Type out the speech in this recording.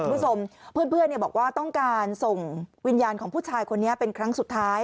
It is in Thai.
คุณผู้ชมเพื่อนบอกว่าต้องการส่งวิญญาณของผู้ชายคนนี้เป็นครั้งสุดท้าย